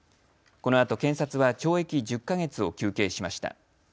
このあと検察は懲役１０か月を求刑しました。